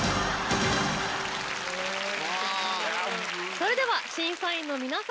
それでは審査員の皆さん